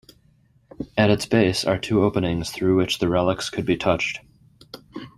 At its base are two openings through which the relics could be touched.